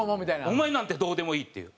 お前なんてどうでもいいっていう。